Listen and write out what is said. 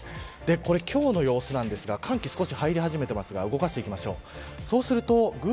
これ今日の様子なんですが寒気少し入り始めていますが動き始めています。